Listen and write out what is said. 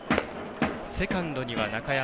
セカンドには中山。